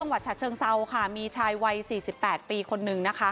จังหวัดฉะเชิงเซาค่ะมีชายวัย๔๘ปีคนนึงนะคะ